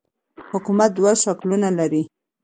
حکومت دوه شکلونه لري.